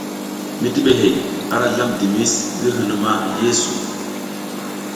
Mitibihey ara zlam dimis ngi hinuma yeesu.